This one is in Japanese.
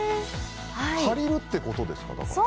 借りるってことですか。